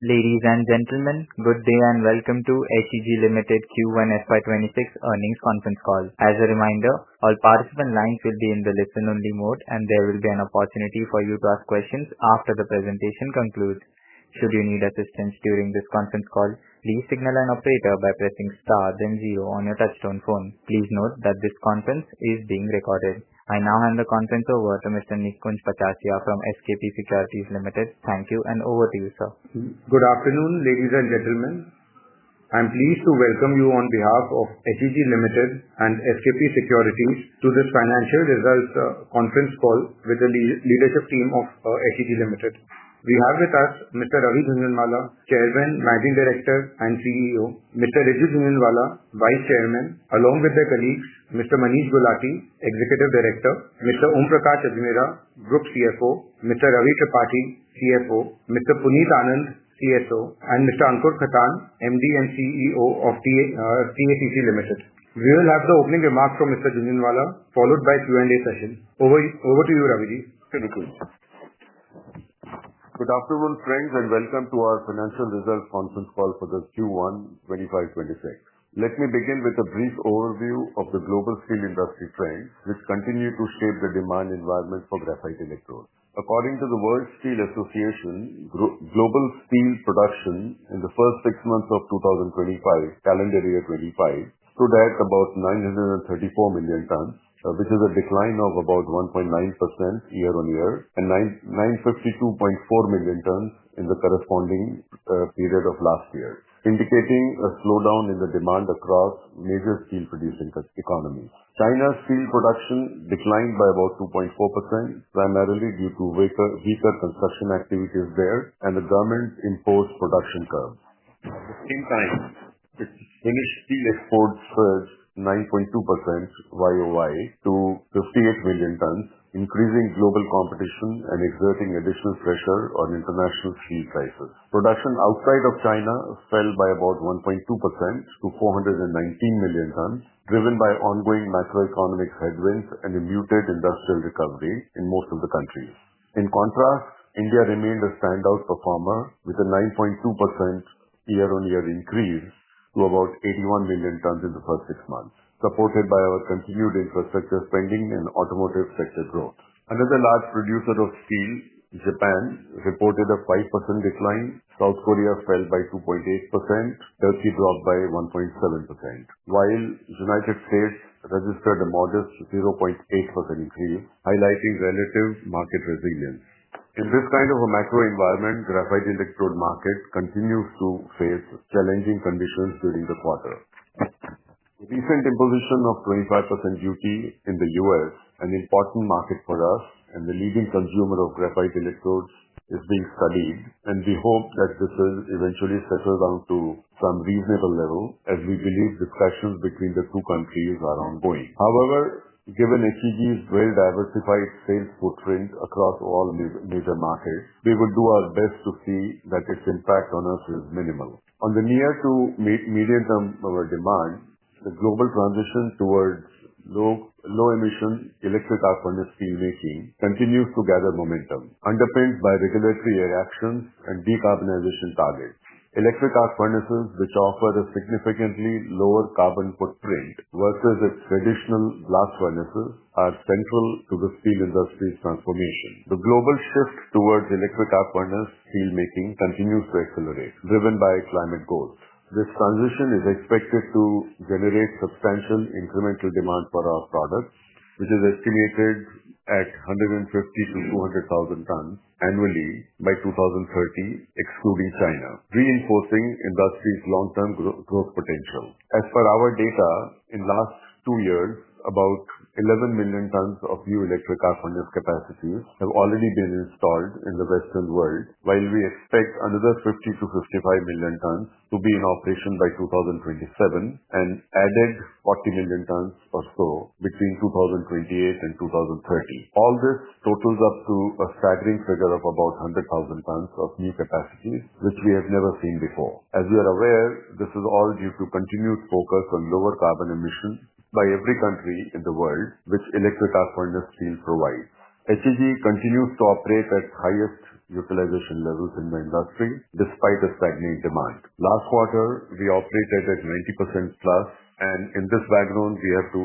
Ladies and gentlemen, good day and welcome to HEG Limited's Q1 FY 2026 earnings conference call. As a reminder, all participants' lines will be in the listen-only mode, and there will be an opportunity for you to ask questions after the presentation concludes. Should you need assistance during this conference call, please signal an operator by pressing * then 0 on your touchtone phone. Please note that this conference is being recorded. I now hand the conference over to Mr. Nikunj Pachisia from SKP Securities. Thank you and over to you, sir. Good afternoon, ladies and gentlemen. I am pleased to welcome you on behalf of HEG Limited and SKP Securities to this financial results conference call with the leadership team of HEG Limited. We have with us Mr. Ravi Jhunjhunwala, Chairman, Managing Director, and CEO; Mr. Riju Jhunjhunwala, Vice Chairman, along with their colleagues Mr. Manish Gulati, Executive Director; Mr. Om Prakash Ajmera, Group CFO; Mr. Ravi Tripathi, CFO; Mr. Puneet Anand, CSO; and Mr. Ankur Khaitan, MD and CEO of TACC Limited. We will have the opening remarks from Mr. Jhunjhunwala, followed by a Q&A session. Over to you, Ravi. Good afternoon, friends, and welcome to our financial results conference call for this Q1 FY 2026. Let me begin with a brief overview of the global steel industry trends, which continue to shape the demand environment for graphite electrodes. According to the World Steel Association, global steel production in the first six months of 2025, calendar year 2025, stood at about 934 million tons, which is a decline of about 1.9% year-on-year, and 952.4 million tons in the corresponding period of last year, indicating a slowdown in the demand across major steel-producing economies. China's steel production declined by about 2.4%, primarily due to weaker construction activities there and the government-imposed production curbs. At the same time, the Finnish steel exports surged 9.2% year-on-year to 58 million tons, increasing global competition and exerting additional pressure on international steel prices. Production outside of China fell by about 1.2% to 419 million tons, driven by ongoing macroeconomic headwinds and a muted industrial recovery in most of the countries. In contrast, India remained a standout performer with a 9.2% year-on-year increase to about 81 million tons in the first six months, supported by our continued infrastructure spending and automotive sector growth. Another large producer of steel, Japan, reported a 5% decline. South Korea fell by 2.8%, Turkey dropped by 1.7%, while the U.S. registered a modest 0.8% increase, highlighting relative market resilience. In this kind of a macro environment, the graphite electrode market continues to face challenging conditions during the quarter. The recent imposition of 25% duty in the U.S., an important market for us and the leading consumer of graphite electrodes, is being studied, and we hope that this will eventually settle down to some reasonable level, as we believe discussions between the two countries are ongoing. However, given HEG's well-diversified sales footprint across all major markets, we would do our best to see that its impact on us is minimal. On the near-to-medium term of our demand, the global transition towards low-emission electric arc furnace steel making continues to gather momentum, underpinned by regulatory adoptions and decarbonization targets. Electric arc furnaces, which offer a significantly lower carbon footprint versus traditional blast furnaces, are central to the steel industry's transformation. The global shift towards electric arc furnace steel making continues to accelerate, driven by climate goals. This transition is expected to generate substantial incremental demand for our product, which is estimated at 150,000-200,000 tons annually by 2030, excluding China, reinforcing the industry's long-term growth potential. As per our data, in the last two years, about 11 million tons of new electric arc furnace capacity have already been installed in the Western world, while we expect another 50 million-55 million tons to be in operation by 2027 and an added 40 million tons or so between 2028 and 2030. All this totals up to a staggering figure of about 100 million tons of new capacity, which we have never seen before. As you are aware, this is all due to the continued focus on lower carbon emissions by every country in the world, which electric arc furnace steel provides. HEG continues to operate at its highest utilization levels in the industry, despite a stagnant demand. Last quarter, we operated at 90%+, and in this background, we have to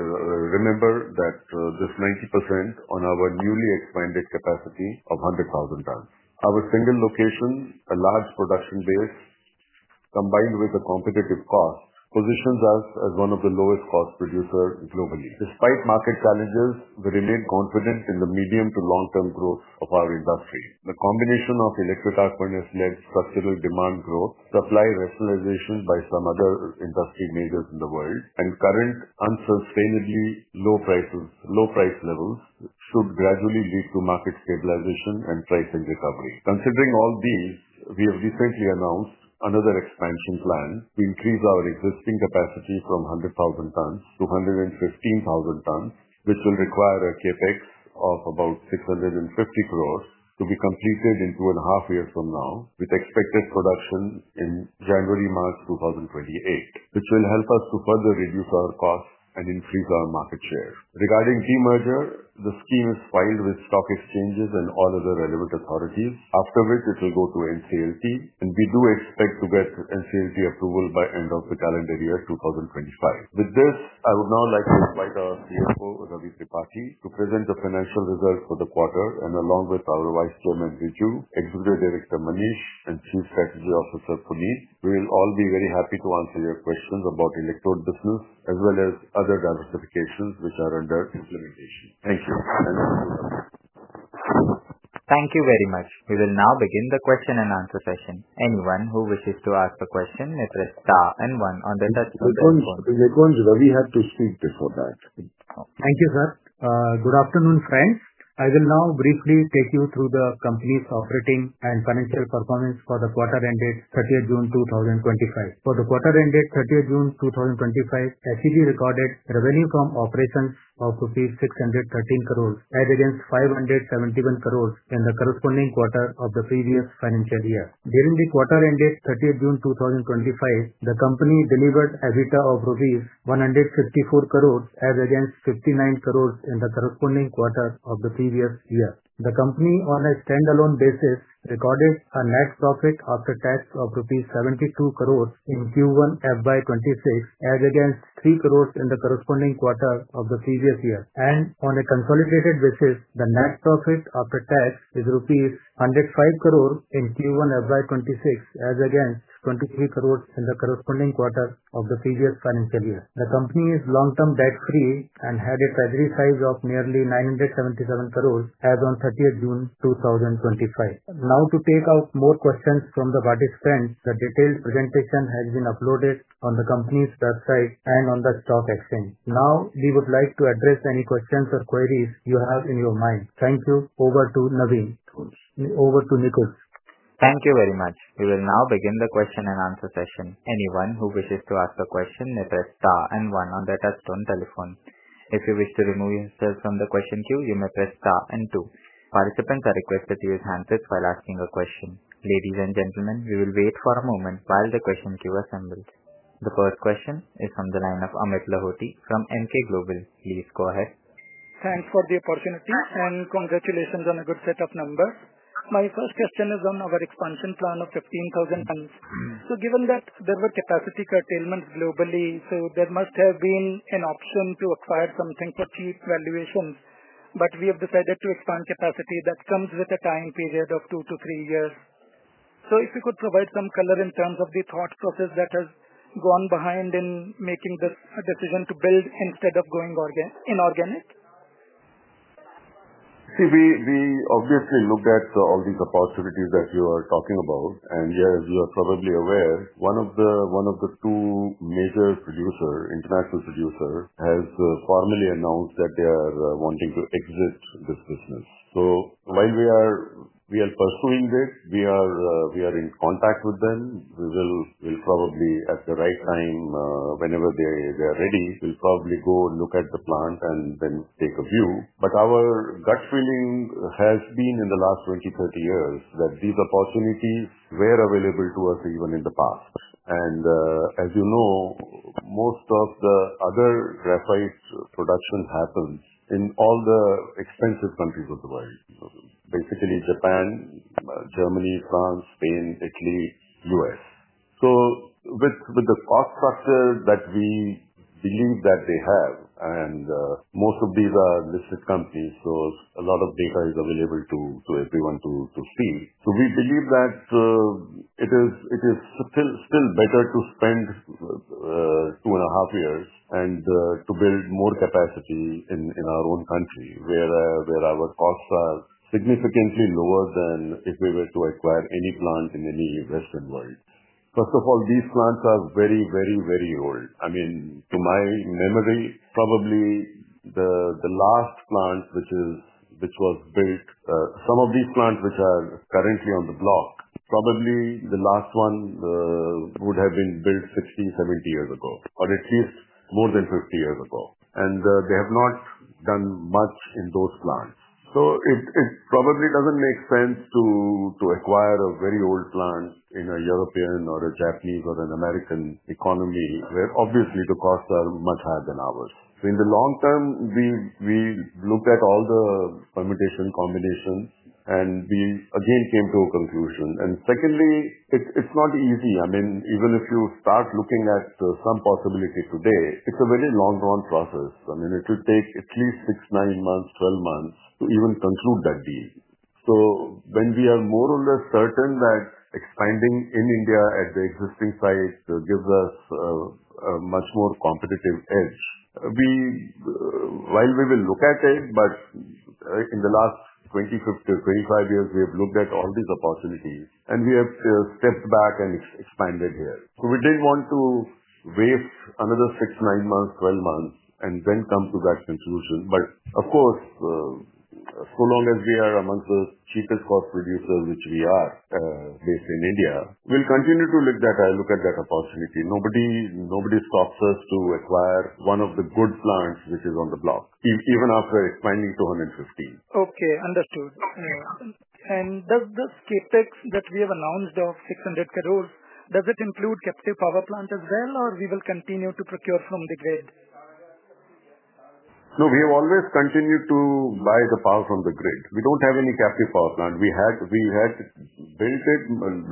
remember that this 90% is on our newly expanded capacity of 100,000 tons. Our single location, a large production base, combined with a competitive cost, positions us as one of the lowest-cost producers globally. Despite market challenges, we remain confident in the medium to long-term growth of our industry. The combination of electric arc furnace-led structural demand growth, supply rationalization by some other industry leaders in the world, and current unsustainably low price levels should gradually lead to market stabilization and pricing recovery. Considering all these, we have recently announced another expansion plan to increase our existing capacity from 100,000 tons-115,000 tons, which will require a CapEx of about 650 crore to be completed in two and a half years from now, with expected production in January-March 2028, which will help us to further reduce our costs and increase our market share. Regarding [the] merger, the scheme is filed with stock exchanges and all other relevant authorities, after which it will go to NCLT, and we do expect to get NCLT approval by the end of the calendar year 2025. With this, I would now like to invite our CFO, Ravi Tripathi, to present the financial results for the quarter. Along with our Vice Chairman, Riju, Executive Director, Manish, and Chief Strategy Officer, Puneet, we will all be very happy to answer your questions about electrode business, as well as other diversifications which are under implementation. Thank you. Thank you very much. We will now begin the question and answer session. Anyone who wishes to ask a question may press * and 1 until that's on the screen. [Before that, Ravi has] to speak before that. Thank you, sir. Good afternoon, friends. I will now briefly take you through the company's operating and financial performance for the quarter ended 30th June 2025. For the quarter ended 30th June 2025, HEG recorded revenue from operations of INR 613 crore as against INR 571 crore in the corresponding quarter of the previous financial year. During the quarter ended 30th June 2025, the company delivered an EBITDA of rupees 154 crore as against 59 crore in the corresponding quarter of the previous year. The company, on a standalone basis, recorded a net profit after tax of rupees 72 crore in Q1 FY 2026 as against 3 crore in the corresponding quarter of the previous year. On a consolidated basis, the net profit after tax is INR 105 crore in Q1 FY 2026 as against INR 23 crore in the corresponding quarter of the previous financial year. The company is long-term debt-free and had a treasury size of nearly 977 crore as of 30th June 2025. Now, to take more questions from the participants, the detailed presentation has been uploaded on the company's website and on the stock exchange. We would like to address any questions or queries you have in your mind. Thank you. Over to Naveen. Thank you very much. We will now begin the question and answer session. Anyone who wishes to ask a question may press * and 1 on their touchtone telephone. If you wish to remove yourself from the question queue, you may press * and 2. Participants are requested to use handsets while asking a question. Ladies and gentlemen, we will wait for a moment while the question queue assembles. The first question is from the line of Amit Lahoti from Emkay Global. Please go ahead. Thanks for the opportunity and congratulations on a good set of numbers. My first question is on our expansion plan of 15,000 tons. Given that there were capacity curtailments globally, there must have been an option to acquire something for cheap valuations. We have decided to expand capacity that comes with a time period of two to three years. If you could provide some color in terms of the thought process that has gone behind in making this decision to build instead of going inorganic? See, we obviously looked at all these opportunities that you are talking about. As you are probably aware, one of the two major international producers has formally announced that they are wanting to exit this business. While we are pursuing this, we are in contact with them. We will probably, at the right time, whenever they are ready, go and look at the plant and then take a view. Our gut feeling has been, in the last 20, 30 years, that these opportunities were available to us even in the past. As you know, most of the other graphite production happens in all the expensive countries of the world, basically Japan, Germany, France, Spain, Italy, U.S. With the cost structure that we believe they have, and most of these are listed companies, so a lot of data is available to everyone to see. We believe that it is still better to spend two and a half years and to build more capacity in our own country where our costs are significantly lower than if we were to acquire any plant in any Western world. First of all, these plants are very, very, very old. To my memory, probably the last plant which was built, some of these plants which are currently on the block, probably the last one would have been built 60, 70 years ago, or at least more than 50 years ago. They have not done much in those plants. It probably doesn't make sense to acquire a very old plant in a European or a Japanese or an American economy where obviously the costs are much higher than ours. In the long term, we looked at all the permutation combinations and we again came to a conclusion. Secondly, it's not easy. Even if you start looking at some possibility today, it's a very long-drawn process. It should take at least six, nine months, 12 months to even conclude that deal. We are more or less certain that expanding in India at the existing size gives us a much more competitive edge. While we will look at it, in the last 20-25 years, we have looked at all these opportunities and we have stepped back and expanded here. We didn't want to waste another six, nine months, 12 months, and then come to that conclusion. Of course, so long as we are amongst the cheapest core producers, which we are, based in India, we'll continue to look at that opportunity. Nobody's cost us to acquire one of the good plants which is on the block, even after expanding to 150. Okay, understood. Does this CapEx that we have announced of 600 crore include captive power plant as well, or will we continue to procure from the grid? No, we have always continued to buy the power from the grid. We don't have any captive power plant. We had built it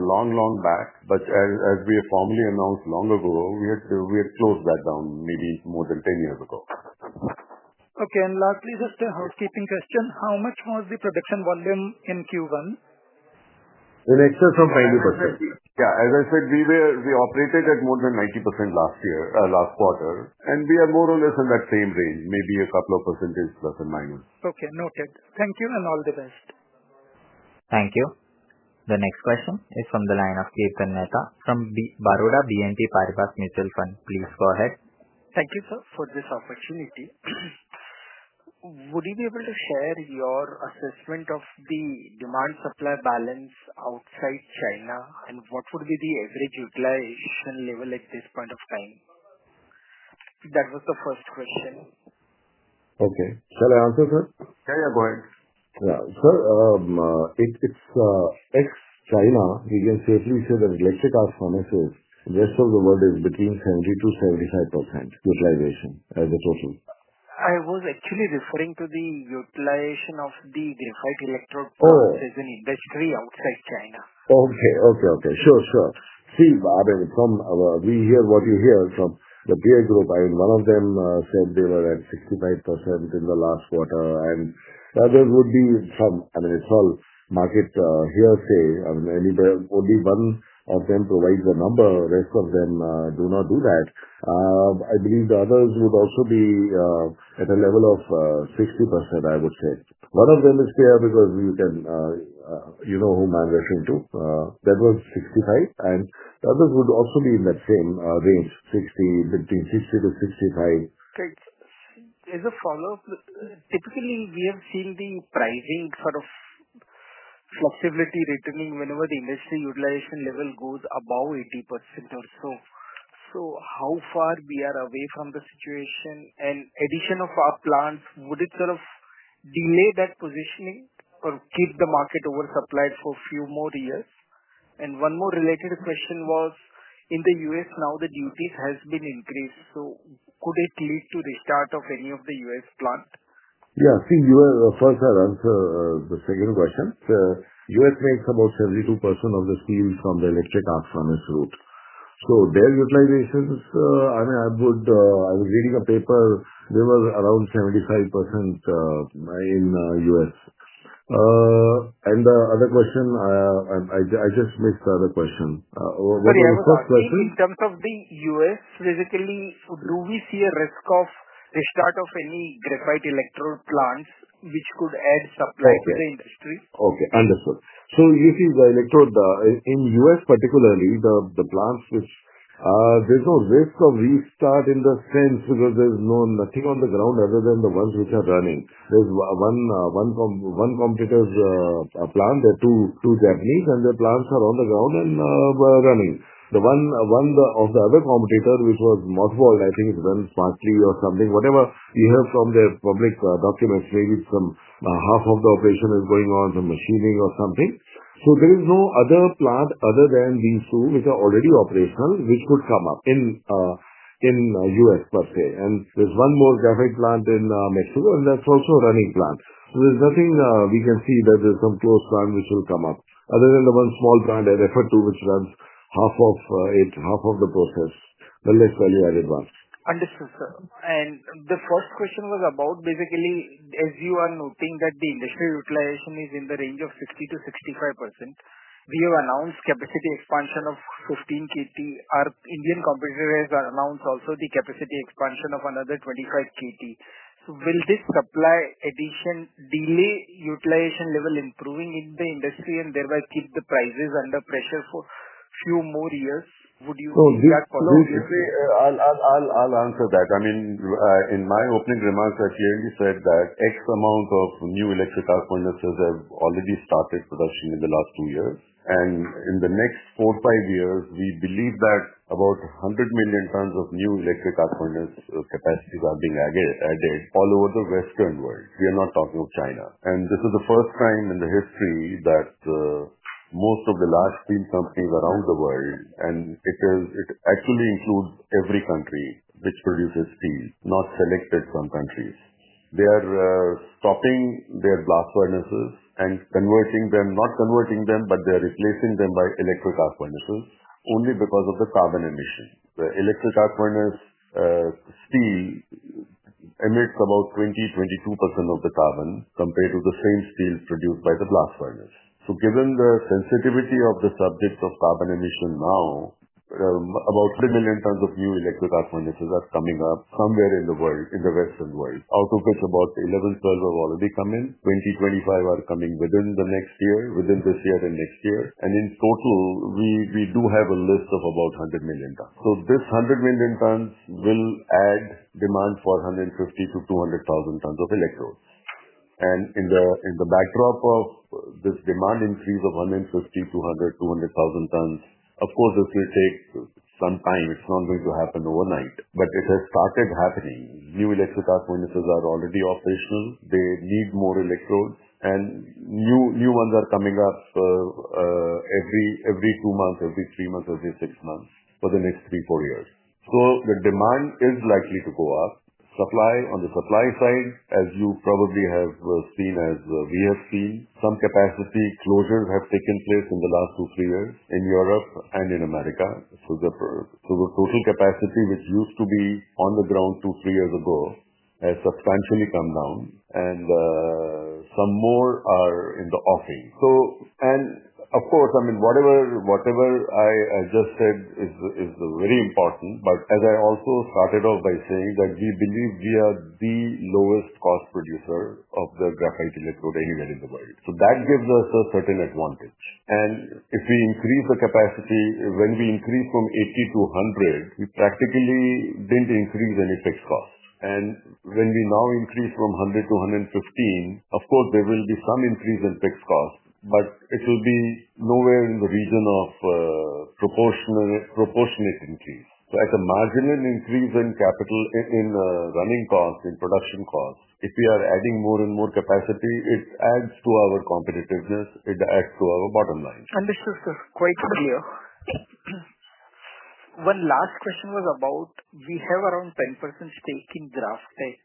long, long back, but as we formally announced long ago, we had closed that down maybe more than 10 years ago. Okay, and lastly, just a housekeeping question. How much was the production volume in Q1? In excess of 90%. Yeah, as I said, we operated at more than 90% last year, last quarter, and we are more or less in that same range, maybe a couple of percentage plus or minus. Okay, noted. Thank you and all the best. Thank you. The next question is from the line of [Steve Canota] from Baroda BNP Paribas Mutual Fund. Please go ahead. Thank you, sir, for this opportunity. Would you be able to share your assessment of the demand-supply balance outside China, and what would be the average replacement level at this point of time? That was the first question. Okay. Shall I answer, sir? Yeah, go ahead. Yeah, sir, it's ex-China region, especially the electric arc furnaces. The rest of the world is between 70%-75% utilization as a total. I was actually referring to the utilization of the [graphite electrode plants] as an industry outside China. Okay, sure. See, we hear what you hear from the peer group. I mean, one of them said they were at 65% in the last quarter, and there would be some, I mean, it's all market hearsay. Anybody would be, one of them provides a number. The rest of them do not do that. I believe the others would also be at a level of 60%, I would say. One of them is [KL] because you can, you know who I'm referring to. That was 65%, and the others would also be in that same range, 60%, between 60%-65%. Sir, as a follow-up, typically we have seen the pricing sort of fluctuating whenever the industry utilization level goes above 80% or so. How far are we away from the situation, and the addition of our plants, would it sort of delay that positioning or keep the market oversupplied for a few more years? One more related question was, in the U.S. now, the duties have been increased. Could it lead to the restart of any of the U.S. plants? Yeah, see, you were the first to answer the second question. The U.S. makes about 72% of the steel from the electric arc furnace route. Their utilizations, I mean, I was reading a paper, there was around 75% in the U.S. I just missed the other question. Can I ask a question? In terms of the U.S., basically, do we see a risk of restart of any graphite electrode plants which could add supply to the industry? Okay, understood. You see, in the U.S. particularly, the plants which are there, there's no risk of restart in the sense because there's nothing on the ground other than the ones which are running. There's one competitor's plant, two Japanese, and their plants are on the ground and running. One of the other competitors, which was [Northvolt], I think it runs partly or something, whatever you hear from their public documents, maybe some half of the operation is going on, some machining or something. There is no other plant other than these two which are already operational, which could come up in the U.S. per se. There's one more graphite plant in Mexico, and that's also a running plant. There's nothing we can see that there's some closed plant which will come up, other than the one small plant I referred to, which runs half of it, half of the process, unless value-added ones. Understood, sir. The fourth question was about, basically, as you are noting that the industry utilization is in the range of 60%-65%. We have announced capacity expansion of 15 kt. Our Indian competitors have also announced the capacity expansion of another 25 kt. Will this supply addition delay utilization level improving in the industry and thereby keep the prices under pressure for a few more years? I'll answer that. In my opening remarks, I clearly said that X amount of new electric arc furnaces have already started production in the last two years. In the next four to five years, we believe that about 100 million tons of new electric arc furnace capacities are being added all over the Western world. We are not talking of China. This is the first time in history that most of the large steel companies around the world, and it actually includes every country which produces steel, not just some countries, are stopping their blast furnaces and replacing them by electric arc furnaces only because of the carbon emission. Electric arc furnace steel emits about 20%-22% of the carbon compared to the same steel produced by the blast furnace. Given the sensitivity of the subject of carbon emission now, about 3 million tons of new electric arc furnaces are coming up somewhere in the world, in the Western world. Out of it, about 11, 12 have already come in. 20, 25 are coming within this year and next year. In total, we do have a list of about 100 million tons. This 100 million tons will add demand for 150,000-200,000 tons of electrodes. In the backdrop of this demand increase of 150,000-200,000 tons, of course, this will take some time. It's not going to happen overnight, but it has started happening. New electric arc furnaces are already operational. They need more electrodes, and new ones are coming up every two months, every three months, every six months for the next three, four years. The demand is likely to go up. On the supply side, as you probably have seen, as we have seen, some capacity closures have taken place in the last two, three years in Europe and in America. The total capacity which used to be on the ground two, three years ago has substantially come down, and some more are in the offing. Whatever I just said is very important. As I also started off by saying, we believe we are the lowest cost producer of the graphite electrode anywhere in the world. That gives us a certain advantage. If we increase the capacity, when we increased from 80-100, we practically didn't increase any fixed costs. When we now increase from 100-115, of course, there will be some increase in fixed costs, but it will be nowhere in the region of a proportionate increase. I can imagine an increase in capital, in running costs, in production costs. If we are adding more and more capacity, it adds to our competitiveness. It adds to our bottom line. Understood, sir. Quite clear. One last question was about, we have around 10% stake in GrafTech.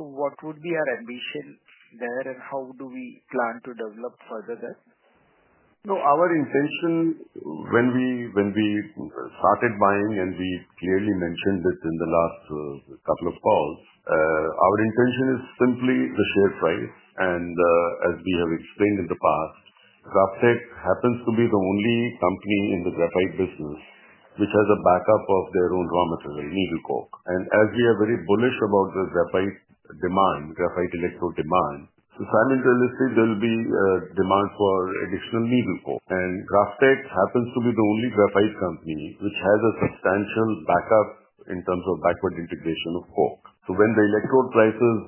What would be our ambition there, and how do we plan to develop further that? Our intention, when we started buying, and we clearly mentioned this in the last couple of calls, our intention is simply the share price. As we have explained in the past, GrafTech happens to be the only company in the graphite business which has a backup of their own raw material, needle coke. As we are very bullish about the graphite demand, graphite electrode demand, fundamentally, there will be a demand for additional needle coke. Graftech happens to be the only graphite company which has a substantial backup in terms of backward integration of coke. When the electrode prices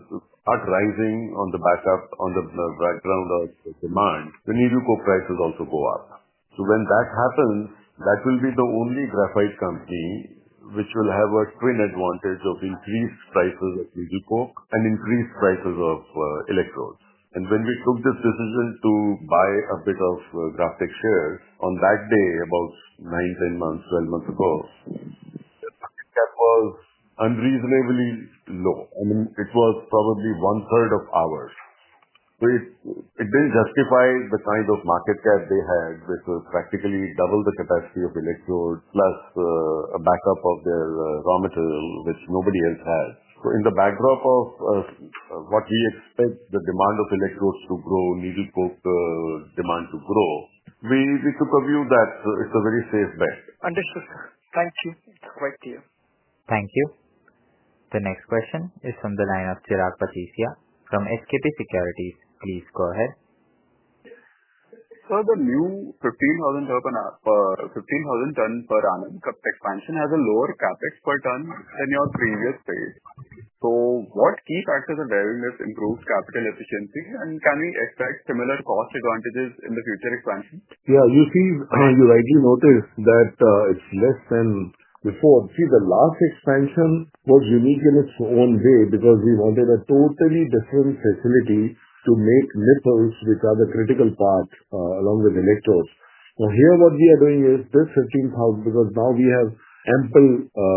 are rising on the background of demand, the needle coke prices also go up. When that happens, that will be the only graphite company which will have a twin advantage of increased prices of needle coke and increased prices of electrodes. When we took this decision to buy a bit of GrafTech share on that day, about 9, 10, 12 months ago, the market cap was unreasonably low. It was probably 1/3 of ours. It didn't justify the kind of market cap they had, which was practically double the capacity of electrodes plus a backup of their raw material, which nobody else has. In the backdrop of what we expect, the demand of electrodes to grow, needle coke demand to grow, we took a view that it's a very safe bet. Understood, sir. Thank you. It's quite clear. Thank you. The next question is from the line of Chirag Pachisia from SKP Securities. Please go ahead. Sir, the new 15,000 ton per annum expansion has a lower CapEx per ton than your previous stage. What key factors are there in this improved capital efficiency, and can we expect similar cost advantages in the future expansion? Yeah, you see, you rightly notice that it's less than before. The last expansion was unique in its own way because we wanted a totally different facility to make needles, which are the critical part along with electrodes. Now here, what we are doing is this 15,000 because now we have ample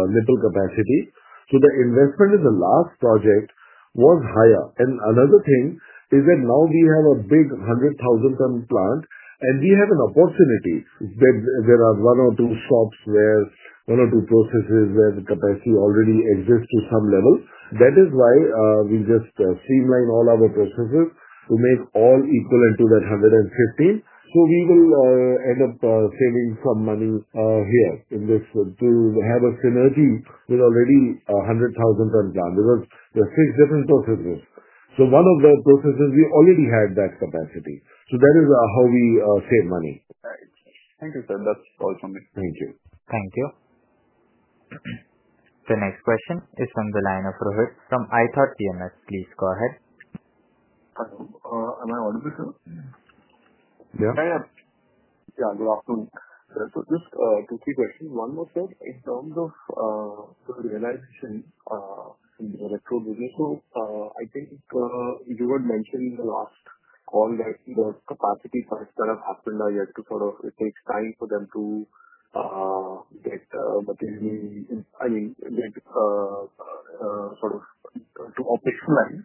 needles capacity. The investment in the last project was higher. Another thing is that now we have a big 100,000 ton plant, and we have an opportunity where there are one or two shops there, one or two processes where the capacity already exists to some level. That is why we just streamline all our processes to make all equal into that 115. We will end up saving some money here in this to have a synergy with already a 100,000 ton plant because there are six different processes. One of the processes we already had that capacity. That is how we save money. Right. Thank you, sir. That's all for me. Thank you. Thank you. The next question is from the line of [Rohit from ITART DMS]. Please go ahead. Am I audible, sir? Yeah. Yeah, yeah. Good afternoon. Just two or three questions. One was that in terms of the realization in the electrode business, I think you were mentioning in the last call that the capacity for a set of half tonnes is to sort of, it takes time for them to get, I mean, get sort of to operationalize.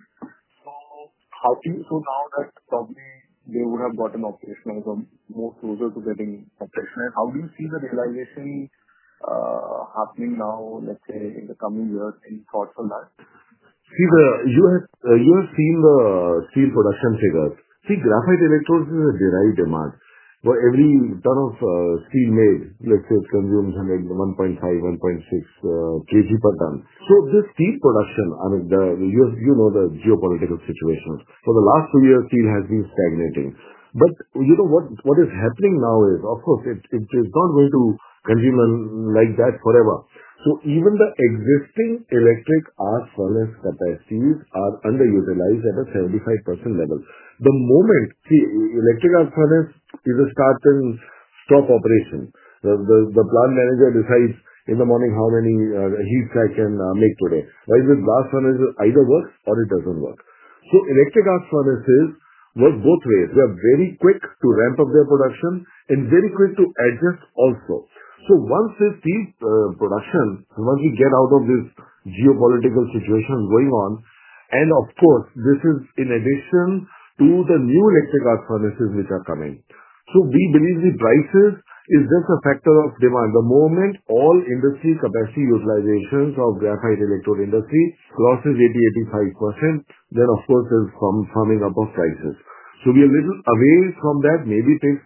Now that probably they would have gotten operational, most of the equipment, how do you see the realization happening now, let's say, in the coming years? Any thoughts on that? See, you have seen the steel production figures. See, graphite electrodes is a derived demand for every ton of steel made. Let's say it consumes 1.5, 1.6 kg per ton. This steel production, and you know the geopolitical situation, for the last two years, steel has been stagnating. What is happening now is, of course, it's not going to continue like that forever. Even the existing electric arc furnace capacities are underutilized at a 75% level. The moment, see, electric arc furnace is a start and stop operation. The plant manager decides in the morning how many heat cracks can make today. Whereas with blast furnaces, either works or it doesn't work. Electric arc furnaces work both ways. They are very quick to ramp up their production and very quick to adjust also. Once this steel production, once we get out of this geopolitical situation going on, and of course, this is in addition to the new electric arc furnaces which are coming. We believe the prices are just a factor of demand. The moment all industry capacity utilizations of graphite electrode industry crosses 80%, 85%, then, of course, there's a firming up of prices. We are a little away from that. Maybe it takes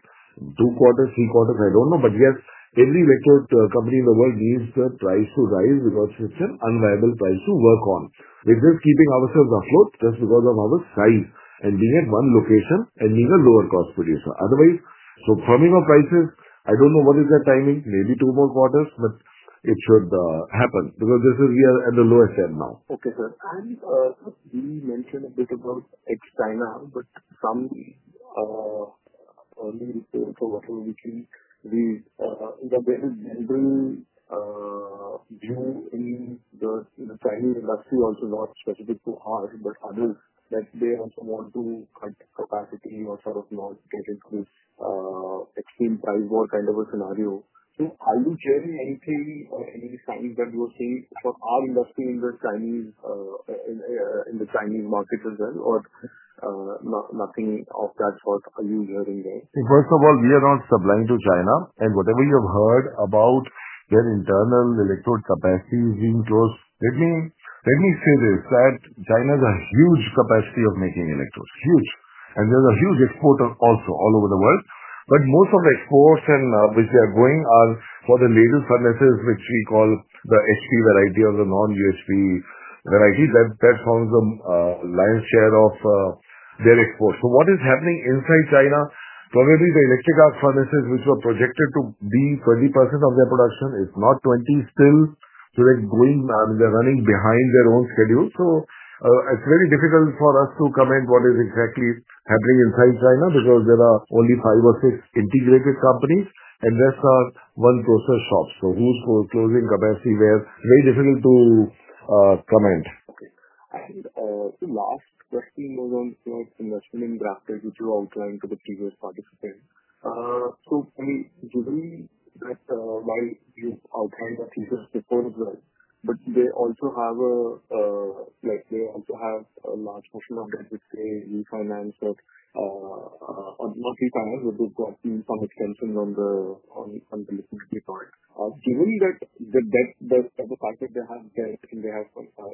two quarters, three quarters, I don't know. Yes, every electrode company in the world needs the price to rise because it's an unviable price to work on. We're just keeping ourselves afloat just because of our size and being at one location and being a lower cost producer. Otherwise, firming up prices, I don't know what is their timing, maybe two more quarters, but it should happen because we are at the lowest end now. Okay, sir. You mentioned a bit about China, but some view in the Chinese industry are not specific to us, but others that they also want to add capacity or sort of not get into extreme price war kind of a scenario. Are you hearing anything or any signs that we're seeing for our industry in the Chinese markets as well, or nothing of that sort? Are you hearing anything? First of all, we are not submitting to China. Whatever you have heard about their internal electrode capacity is usual. Let me say this, that China has a huge capacity of making electrodes, huge. There's a huge export also all over the world. Most of the exports which they are going are for the laser furnaces, which we call the HP variety or the non-UHP variety. That forms the lion's share of their export. What is happening inside China? Probably the electric arc furnaces, which were projected to be 20% of their production, it's not 20% still. They're running behind their own schedule. It's very difficult for us to comment what is exactly happening inside China because there are only five or six integrated companies, and that's our one process shop. Who's closing capacity there? Very difficult to comment. Okay. The last question was on the investment in GrafTech, which you outlined for the previous participant. Usually, that's why you outlined the future of the steel plant as well. They also have a large portion of their finance that are not retiring, but they've gotten some expansion on the electricity part. Given that the type of market they have gained and they have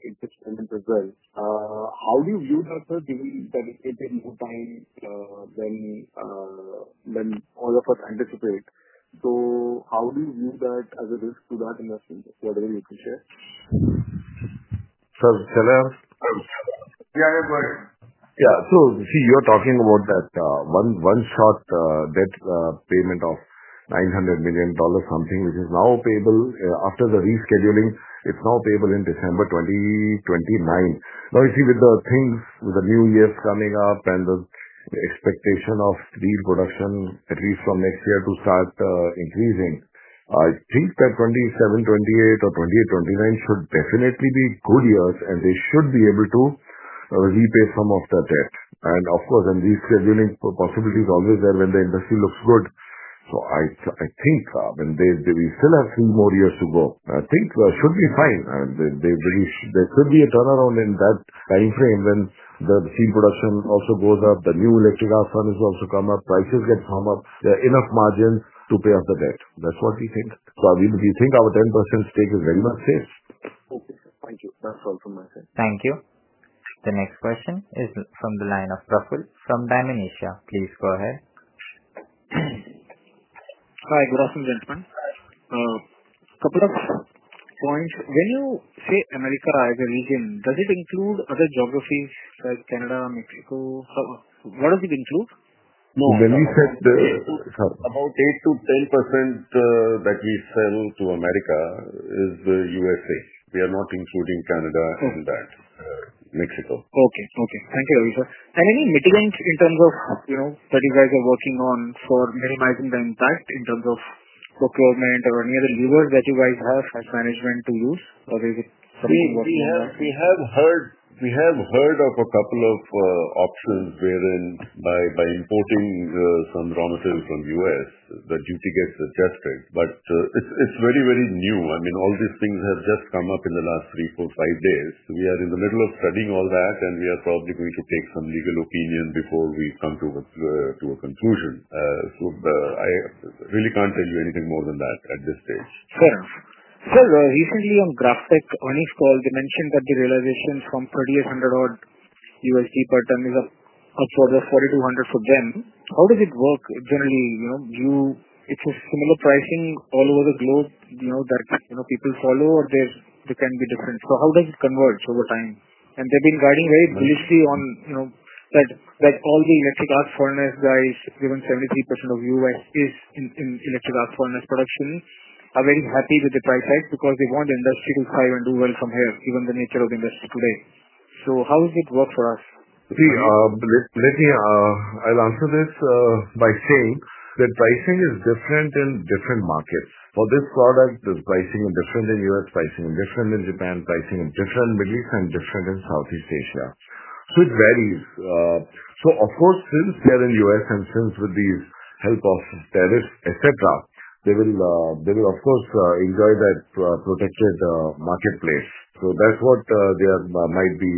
in this moment as well, how do you view that, sir, given that it is more time than all of us anticipate? How do you view that as a risk to that investment? Whatever you can share. Sir, shall I answer? Yeah, go ahead. Yeah, you see, you're talking about that one-shot debt payment of $900 million something, which is now payable after the rescheduling. It's now payable in December 2029. You see, with the new year coming up and the expectation of steel production, at least from next year, to start increasing, I think that 2027, 2028, or 2029 should definitely be good years, and they should be able to repay some of the debt. Of course, rescheduling possibility is always there when the industry looks good. I think we still have a few more years to go. I think it should be fine, and there should be a turnaround in that timeframe when the steel production also goes up, the new electric arc furnaces also come up, prices come up, there are enough margins to pay off the debt. That's what we think. I think our 10% stake is very much safe. Okay, thank you. [That's all from my side]. Thank you. The next question is from the line of [Rahul from Dhammynesha]. Please go ahead. Hi, good afternoon, gentlemen. A couple of points. When you say America as a region, does it include other geographies like Canada, Mexico? What does it include? No, when we said about 8%-10% that we sell to America is the U.S.A. We are not including Canada and Mexico. Thank you, Rahul. Anything mitigating in terms of, you know, that you guys are working on for minimizing the impact in terms of procurement or any other levers that you guys have for management to use? Or is it something? We have heard of a couple of options wherein by importing some raw materials from the U.S., the duty gets adjusted. It is very, very new. All these things have just come up in the last three, four, five days. We are in the middle of studying all that, and we are probably going to take some legal opinion before we come to a conclusion. I really can't tell you anything more than that at this stage. Sir, recently on GrafTech's earnings call, they mentioned that the realizations from $3,800 odd per ton is upwards of $4,200 for them. How does it work? Generally, you know, it's a similar pricing all over the globe, you know, that people follow, or there can be difference? How does it converge over time? They've been guiding very briefly on, you know, that all the electric arc furnace guys, given 73% of U.S. is in electric arc furnace production, are very happy with the price tag because they want the industry to thrive and do well from here, given the nature of the industry today. How does it work for us? Let me answer this by saying that pricing is different in different markets. For this product, there's pricing that's different in the U.S., pricing that's different in Japan, pricing that's different in Middle East, and different in Southeast Asia. It varies. Since they're in the U.S. and with the help of tariffs, they will, of course, enjoy that protected marketplace. That's what they might be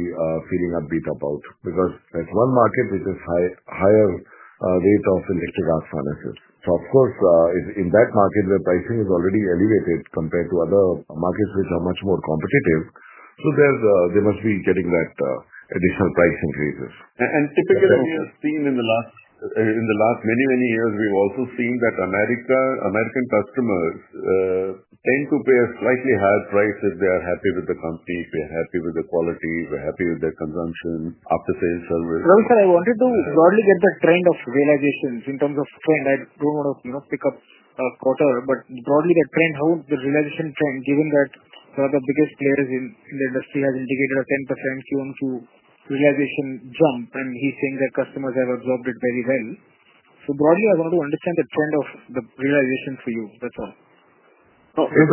feeling upbeat about because there's one market which has a higher rate of electric arc furnaces. In that market where pricing is already elevated compared to other markets which are much more competitive, they must be getting that additional price increases. Typically, we have seen in the last many, many years, we've also seen that American customers tend to pay a slightly higher price if they are happy with the company, if they are happy with the quality, if they're happy with their consumption, after-sales service. I wanted to broadly get that trend of realizations in terms of, and I don't want to pick up a quarter, but broadly that trend, how would the realization from, given that some of the biggest players in the industry have indicated a 10% long-term realization jump, and he's saying that customers have absorbed it very well. Broadly, I want to understand the trend of the realizations for you. That's all. As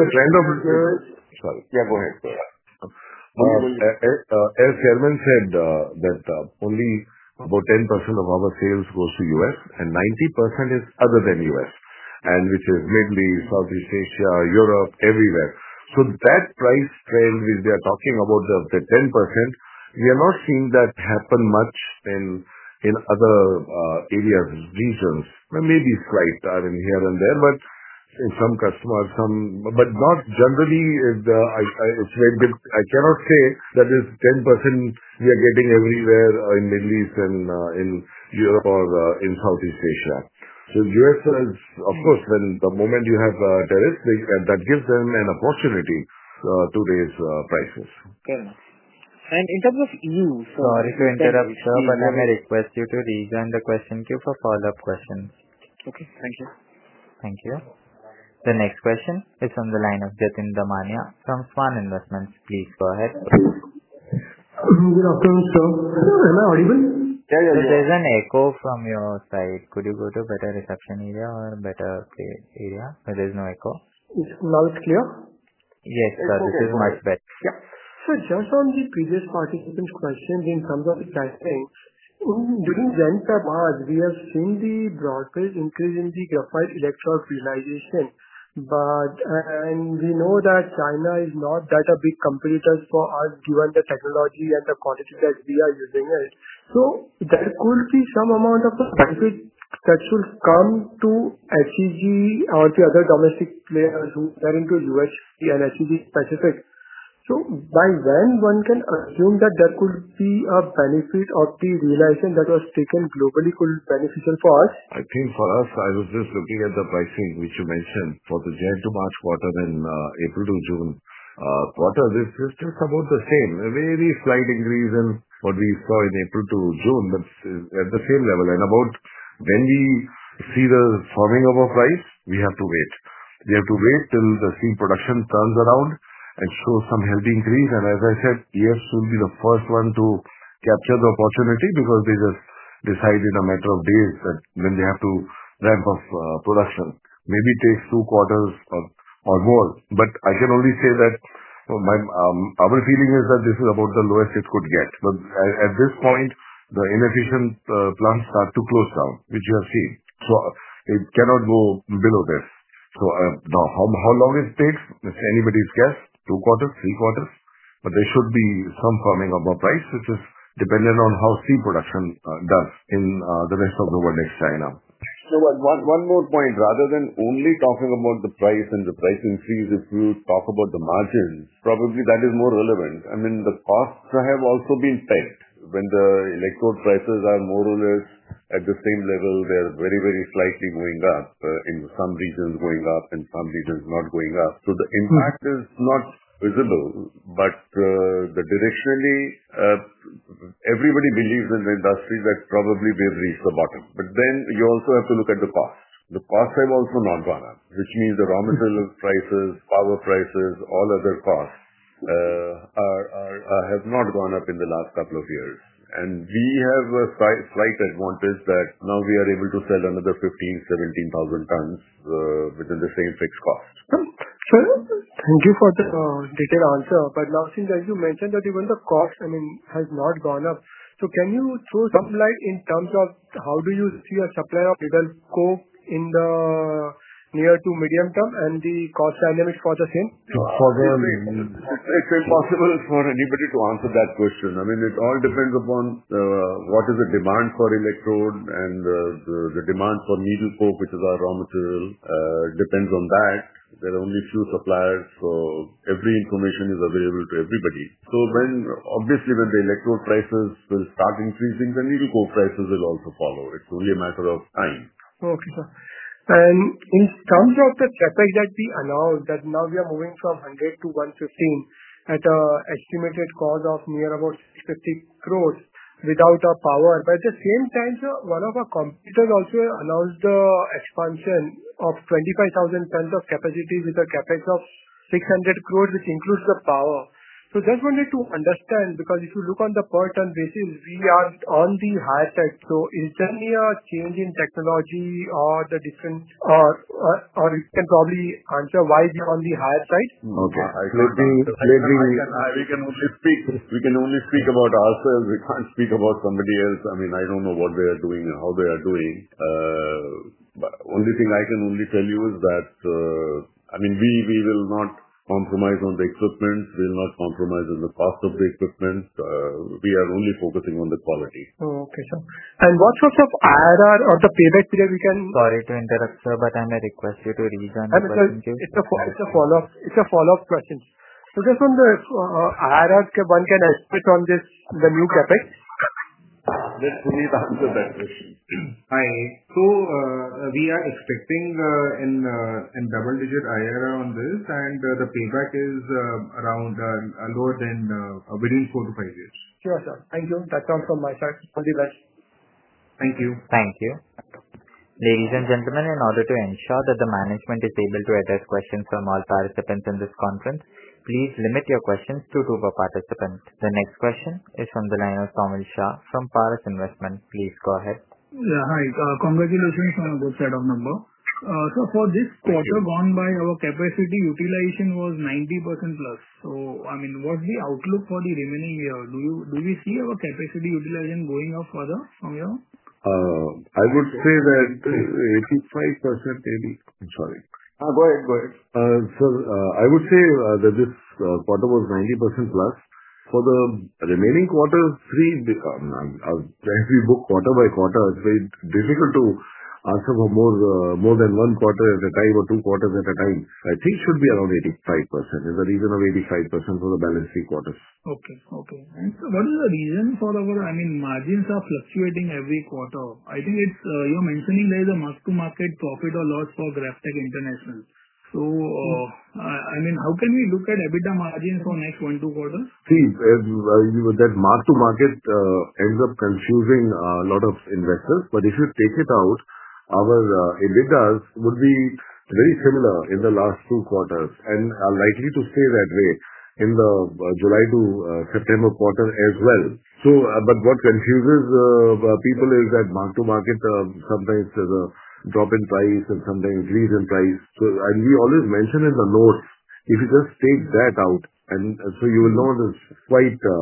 Chairman said, only about 10% of our sales go to the U.S., and 90% is other than the U.S., which is Middle East, Southeast Asia, Europe, everywhere. That price trend, which they are talking about, the 10%, we are not seeing that happen much in other areas, regions. Maybe slight, I mean, here and there, but in some customers, some, but not generally. I cannot say that this 10% we are getting everywhere in the Middle East and in Europe or in Southeast Asia. The U.S. has, of course, when the moment you have tariffs, that gives them an opportunity to raise prices. Fair enough. In terms of you. Sorry to interrupt, sir, but I'm going to request you to rejoin the question queue for a follow-up question. Okay, thank you. Thank you. The next question is from the line of Jatin Damania from Svan Investments. Please go ahead. Good afternoon, sir. Am I audible? Yeah, there's an echo from your side. Could you go to a better reception area or a better area where there's no echo? Now it's clear? Yes, sir, this is much better. Yeah. Sir, just on the previous participant's question in terms of the pricing, we didn't venture much. We have seen the broad-based increase in the graphite electrode realization, and we know that China is not that big a competitor for us, given the technology and the quantity that we are using. There could be some amount of a benefit that should come to HEG or the other domestic players who are into U.S. and HEG specific. By when can one assume that there could be a benefit of the realization that was taken globally could be beneficial for us? I think for us, I was just looking at the pricing which you mentioned for the January to March quarter and April to June quarter. This is just about the same, a very slight increase in what we saw in April to June, but at the same level. When we see the firming of our price, we have to wait. We have to wait till the steel production turns around and shows some healthy increase. As I said, we have soon been the first one to capture the opportunity because they just decide in a matter of days that when they have to ramp up production. Maybe it takes two quarters or more. I can only say that our feeling is that this is about the lowest it could get. At this point, the inefficient plants start to close down, which you have seen. It cannot go below this. Now how long it takes, that's anybody's guess, two quarters, three quarters. There should be some firming of our price, which is dependent on how steel production does in the rest of the world, ex-China. One more point, rather than only talking about the price and the price increase, if you talk about the margins, probably that is more relevant. I mean, the costs have also been stagnant. When the electrode prices are more or less at the same level, they're very, very slightly going up, in some regions going up and some regions not going up. The impact is not visible, but directionally, everybody believes in the industry that probably we have reached the bottom. You also have to look at the cost. The costs have also not gone up, which means the raw materials prices, power prices, all other costs have not gone up in the last couple of years. We have a slight advantage that now we are able to sell another 15,000, 17,000 tons within the same fixed cost. Sir, thank you for the detailed answer. The last thing that you mentioned, that even the cost, I mean, has not gone up. Can you show something like in terms of how do you see a supplier of needle coke in the near to medium term and the cost dynamics for the same? It's impossible for anybody to answer that question. I mean, it all depends upon what is the demand for electrode and the demand for needle coke, which is our raw material. It depends on that. There are only a few suppliers, so every information is available to everybody. Obviously, when the electrode prices will start increasing, the needle coke prices will also follow. It's only a matter of time. Okay, sir. In terms of the CapEx that we allowed, now we are moving from 100-115 at an estimated cost of about 650 crore without our power. At the same time, sir, one of our competitors also allowed the expansion of 25,000 tons of capacity with a CapEx of 600 crore, which includes the power. That's one way to understand because if you look on the per ton basis, we are on the higher side. Is there any change in technology or the difference, or you can probably answer why we are on the higher side? No, I can only speak about ourselves. We can't speak about somebody else. I mean, I don't know what they are doing, how they are doing. The only thing I can only tell you is that we will not compromise on the equipment. We will not compromise on the cost of the equipment. We are only focusing on the quality. Oh, okay, sir. What sorts of IRR or the payback period we can... Sorry to interrupt, sir, but I'm going to request you to rejoin the question queue. It's a follow-up question. Just on the IRR, can I expect on this, the new CapEx? Let Puneet answer that question. Hi. We are expecting a double-digit IRR on this, and the payback is lower than within four to five years. Sure, sir. Thank you. That comes from my side. All the best. Thank you. Thank you. Ladies and gentlemen, in order to ensure that the management is able to address questions from all participants in this conference, please limit your questions to two participants. The next question is from the line of [Tomil Shah] from Paras Investments. Please go ahead. Yeah, hi. Congratulations on a good set of numbers. For this quarter gone by, our capacity utilization was 90%+. I mean, what's the outlook for the remaining year? Do you see our capacity utilization going up further from here? I would say that 85% maybe. Sorry. No, go ahead. Go ahead. Sir, I would say that this quarter was 90%+. For the remaining quarter, I'll try to book quarter by quarter. It's very difficult to answer for more than one quarter at a time or two quarters at a time. I think it should be around 85%. There's a reason of 85% for the balance sheet quarters. Okay. Sir, what is the reason for our, I mean, margins are fluctuating every quarter? I think it's, you were mentioning there's a mark-to-market profit or loss for GrafTech International. I mean, how can we look at EBITDA margins for the next one, two quarters? See, that mark-to-market ends up confusing a lot of investors. If you take it out, our EBITDA would be very similar in the last two quarters and are likely to stay that way in the July to September quarter as well. What confuses people is that mark-to-market sometimes has a drop in price and sometimes it increases in price. We always mention in the notes, if you just take that out, you will have quite a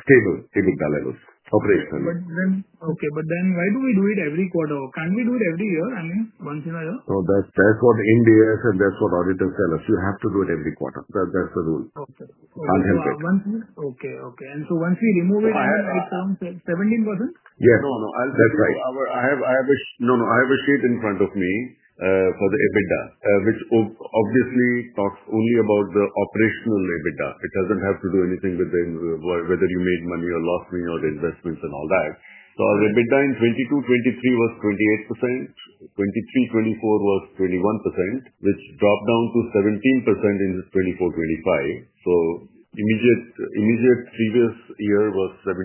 stable EBITDA level operational. Okay, but then why do we do it every quarter? Can we do it every year, I mean, once in a year? No, that's what NDAs and that's what auditors tell us. You have to do it every quarter. That's the rule. Okay. Can't help it. Okay. Once we remove it, it's around 17%? Yes. No, no, that's right. I have a sheet in front of me for the EBITDA, which obviously talks only about the operational EBITDA. It doesn't have to do anything with whether you made money or lost money or the investments and all that. Our EBITDA in 2022-2023 was 28%. 2023-2024 was 21%, which dropped down to 17% in 2024-2025. Immediate previous year was 17%,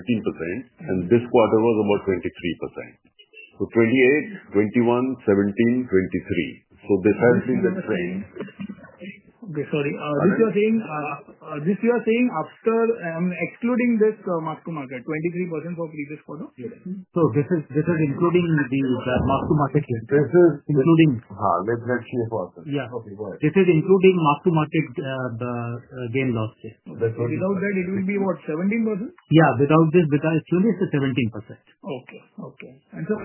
and this quarter was about 23%. 28%, 21%, 17%, 23%. This has been the trend. Okay, sorry. Which you are saying, this you are saying after excluding this mark-to-market, 23% for previous quarter? Yes. Is this including the mark-to-market here? [Let Manish speak, go ahead]. Yeah, okay, go ahead. This is including mark-to-market gain last year. That's right. Without that, it will be what, 17%? Yeah, without this beta, it's still 17%. Okay.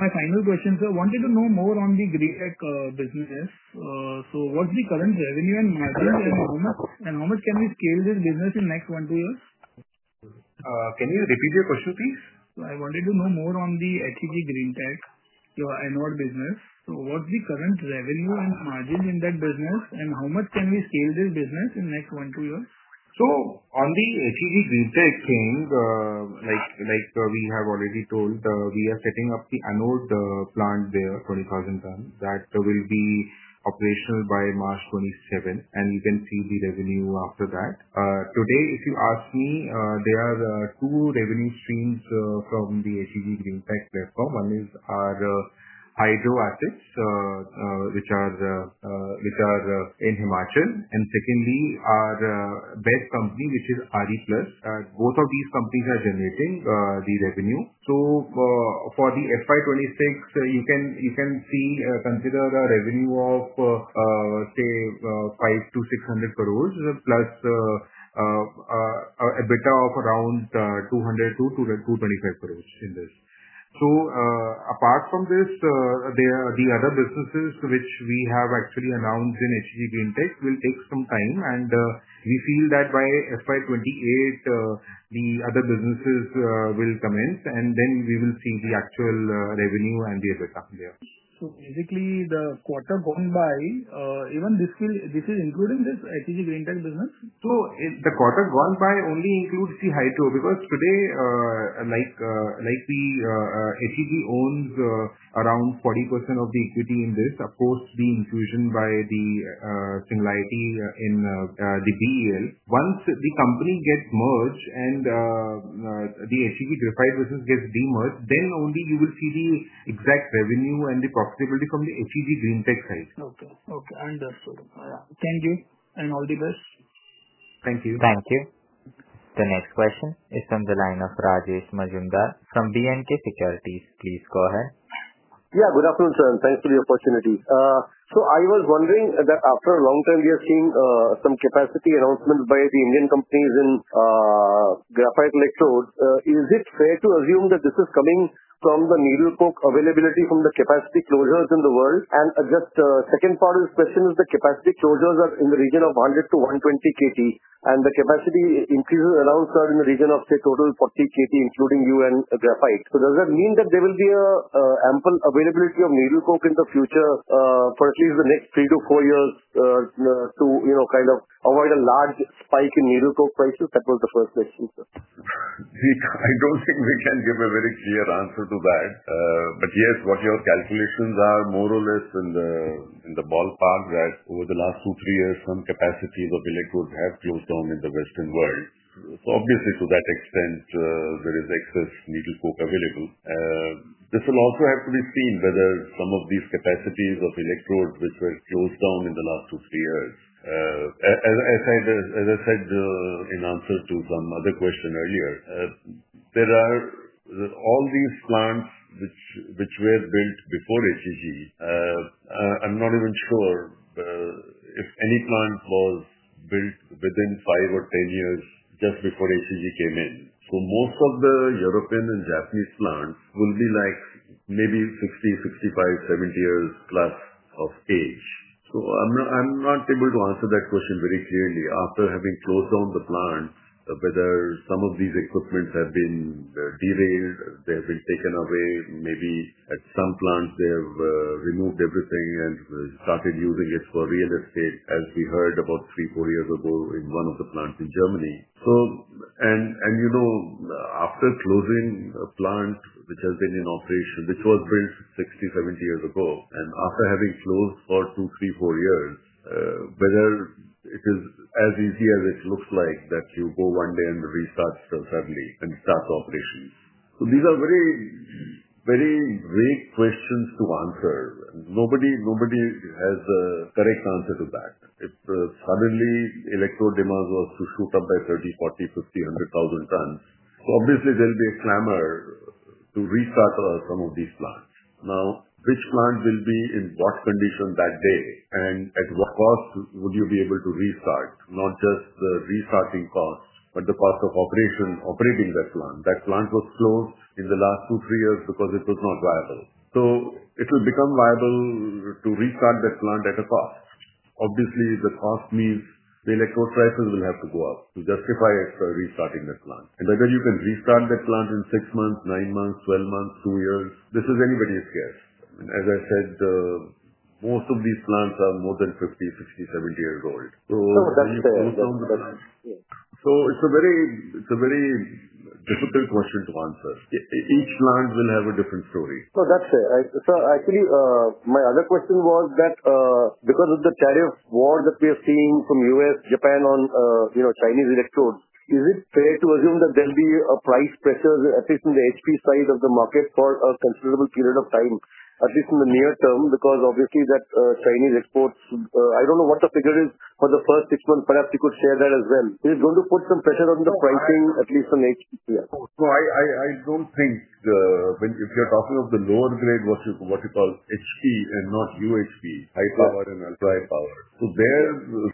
My final question, sir, I wanted to know more on the Greentech businesses. What's the current revenue and margins, and how much can we scale this business in the next one, two years? Can you repeat your question, please? I wanted to know more on the HEG Greentech, your anode business. What's the current revenue and margins in that business, and how much can we scale this business in the next one, two years? On the HEG Greentech chain, like we have already told, we are setting up the anode plant there, 20,000 tons that will be operational by March 2027. You can see the revenue after that. Today, if you ask me, there are two revenue streams from the HEG Greentech platform. One is our hydro assets, which are in Himachal. Secondly, our best company, which is [AriPlus]. Both of these companies are generating the revenue. For the FY 2026, you can consider the revenue of, say, INR 500-600+ crore EBITDA of around 200-225 crore in this. Apart from this, the other businesses which we have actually announced in HEG Greentech will take some time. We feel that by FY 2028, the other businesses will commence, and then we will see the actual revenue and the EBITDA there. Basically, the quarter gone by, even this is including this HEG Greentech business? The quarter gone by only includes the Hydro because today, HEG owns around 40% of the equity in this, of course, the inclusion by the singularity in BEL. Once the company gets merged and the HEG graphite business gets demerged, then only you will see the exact revenue and the profitability from the HEG Greentech side. Okay, okay. That's it. Thank you and all the best. Thank you. Thank you. The next question is from the line of Rajesh Majumdar from B&K Securities. Please go ahead. Good afternoon, sir, and thank you for the opportunity. I was wondering that after a long time, we are seeing some capacity announcements by the Indian companies in graphite electrodes. Is it fair to assume that this is coming from the needle coke availability from the capacity closures in the world? The second part of this question is the capacity closures are in the region of 100-120 kt, and the capacity increases are around, sir, in the region of, say, total 40 kt, including you and graphite. Does that mean that there will be an ample availability of needle coke in the future for at least the next three to four years to, you know, kind of avoid a large spike in needle coke price to tackle the first question? I don't think we can give a very clear answer to that. Yes, what your calculations are, more or less in the ballpark, that over the last two, three years, some capacities of electrodes have closed down in the Western world. Obviously, to that extent, there is excess needle coke available. This will also have to be seen whether some of these capacities of electrodes which were closed down in the last two, three years. As I said in answer to some other question earlier, there are all these plants which were built before HEG. I'm not even sure if any plant was built within five or 10 years just before HEG came in. Most of the European and Japanese plants will be like maybe 60, 65, 70+ years of age. I'm not able to answer that question very clearly. After having closed down the plant, whether some of these equipments have been derailed, they have been taken away. Maybe at some plants, they have removed everything and started using it for real estate, as we heard about three, four years ago in one of the plants in Germany. After closing a plant which has been in operation, which was built 60, 70 years ago, and after having closed for two, three, four years, whether it is as easy as it looks like that you go one day and restart so suddenly and start operations. These are very, very vague questions to answer. Nobody has a correct answer to that. If suddenly electrode demands are to shoot up by 30,000, 40,000, 50,000, 100,000 tons, obviously, there'll be a clamor to restart some of these plants. Now, which plant will be in what condition that day and at what cost would you be able to restart? Not just the restarting cost, but the cost of operating that plant. That plant was closed in the last two, three years because it was not viable. It will become viable to restart that plant at a cost. Obviously, the cost means the electrode prices will have to go up to justify restarting that plant. Whether you can restart that plant in six months, nine months, 12 months, two years, this is anybody's guess. As I said, most of these plants are more than 50, 60, 70 years old. [No, that's true.] It is a very difficult question to answer. Each plant will have a different story. That's fair. Actually, my other question was that because of the tariff war that we are seeing from the U.S. and Japan on Chinese electrodes, is it fair to assume that there'll be a price pressure, at least in the HP side of the market, for a considerable period of time, at least in the near term? Obviously, that Chinese exports, I don't know what the figure is for the first six months, perhaps you could share that as well. Is it going to put some pressure on the pricing, at least on HP? I don't think if you're talking of the lower grade, what you call HP and not UHP, high power and ultra high power. There,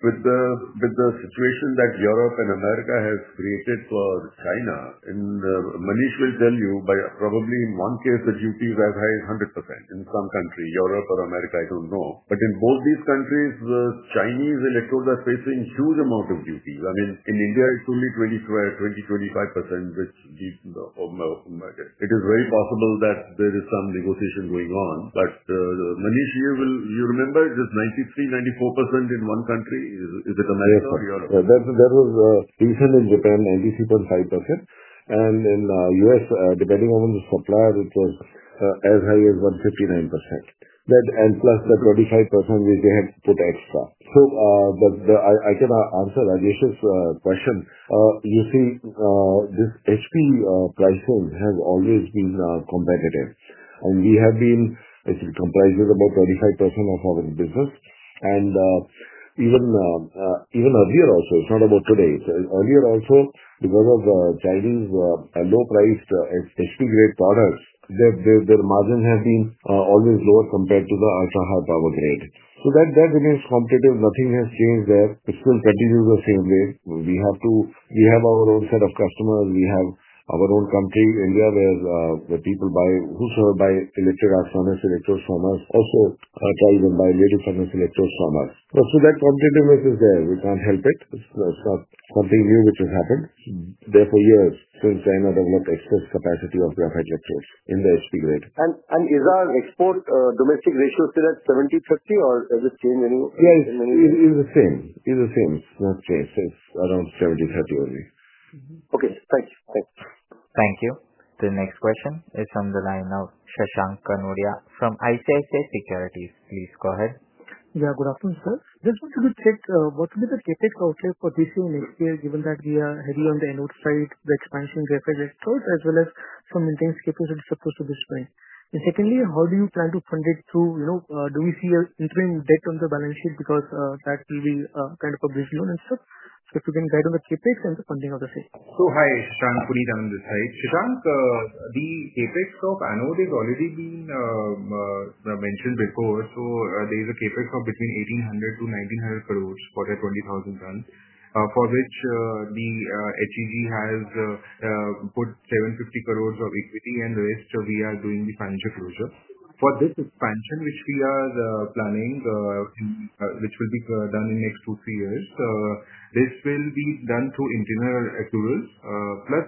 with the situation that Europe and America have created for China, and Manish will tell you, by probably in one case, the duties are as high as 100% in some country, Europe or America, I don't know. In both these countries, the Chinese electrodes are facing a huge amount of duties. I mean, in India, it's only 20%-25%, which is very possible that there is some negotiation going on. Manish here, you remember, it's 93%, 94% in one country. Is it America? Sure, Europe. There was Asian and Japan 93.5%. In the U.S., depending on the supplier, it was as high as 139% + the 25% which they had to tax for. I can answer Rajesh's question. You see, these HP prices have always been competitive. We have been actually comprised with about 25% of our business. Even earlier also, it's not about today. Earlier also, because of Chinese low-priced HP grade products, their margins have been always lower compared to the [Asahi] power grade. That is competitive. Nothing has changed there. It still continues the same way. We have our own set of customers. We have our own country, India, where the people buy who buy electric arc furnace electrodes from us. Also, car cars and buy metal furnace electrodes from us. That competitiveness is there. We can't help it. It's not something new which has happened. Therefore, for years, since China, there was a source capacity of graphite electrodes in the HP grade. Is our export domestic ratio still at 70/30, or has it changed? Yeah, it's the same. It's the same. It's not changed. It's around 70/30 already. Okay, thank you. Thank you. The next question is from the line of Shashank Kanodia from ICICI Securities. Please go ahead. Yeah, good afternoon, sir. Just wanted to check what will be the CapEx outlay for this year and next year, given that we are heavy on the anode side, the expansion graphite electrodes, as well as some maintenance capabilities that are supposed to be spent. Secondly, how do you plan to fund it through, you know, do we see an interim debt on the balance sheet because that will be kind of a breakeven? Sir, if you can guide on the CapEx and the funding of the CC. Hi, Shashank, Puneet on this side. The CapEx of anode has already been mentioned before. There is a CapEx of 1,800-1,900 crore for the 20,000 tons for which HEG has put 750 crore of equity and the rest we are doing the financial closure. For this expansion, which we are planning, which will be done in the next two to three years, this will be done through internal equity plus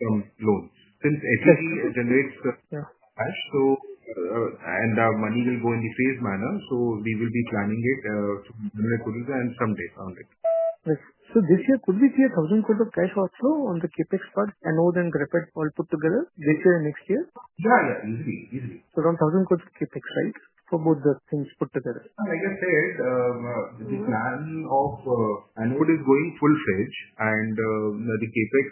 some loans since [HEG] generates the cash. The money will go in a phased manner. We will be planning it to generate equity and some discounting. Could we see 1,000 crore of cash also on the CapEx part, anode and graphite all put together this year and next year? Yeah, yeah, easily, easily. Around 1,000 crore CapEx, right, for both the things put together? Like I said, the demand of anode is going full-fledged, and the CapEx